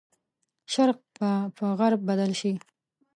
شرق به په غرب بدل شي.